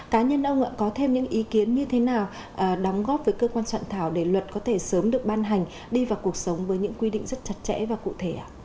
cá nhân ông ạ có thêm những ý kiến như thế nào đóng góp với cơ quan soạn thảo để luật có thể sớm được ban hành đi vào cuộc sống với những quy định rất chặt chẽ và cụ thể